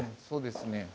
そうですね。